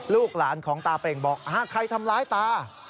ลูกหลานของตาเป่งบอกใครทำร้ายตา